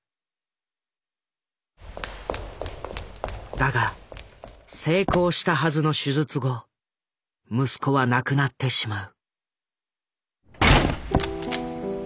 だが成功したはずの手術後息子は亡くなってしまう。